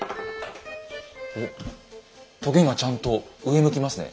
おっとげがちゃんと上向きますね。